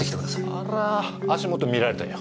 あら足元見られたよ。